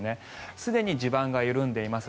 すでに地盤が緩んでいます。